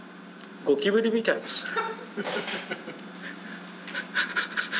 ゴキブリみたいですね。